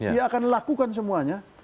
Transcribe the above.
dia akan lakukan semuanya